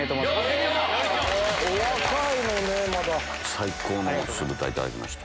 最高の酢豚いただきました。